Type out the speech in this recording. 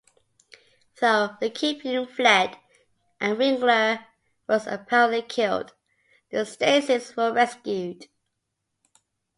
Though the Kingpin fled, and Winkler was apparently killed, the Stacy's were rescued.